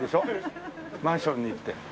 マンションにって。